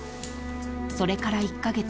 ［それから１カ月。